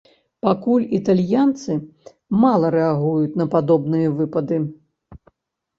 Пакуль італьянцы мала рэагуюць на падобныя выпады.